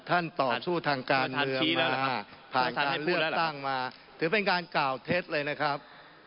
ต่อสู้ทางการเมืองผ่านการเลือกตั้งมาถือเป็นการกล่าวเท็จเลยนะครับ